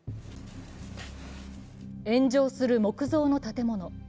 炎上する木造の建物。